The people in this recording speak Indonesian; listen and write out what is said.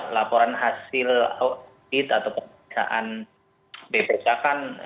laporan hasil audit atau perperiksaan ppk kan